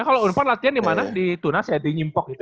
kalau unpar latihan dimana di tunas ya di nyimpok gitu ya